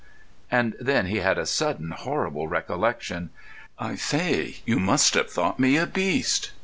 And then he had a sudden horrible recollection. "I say, you must have thought me a beast.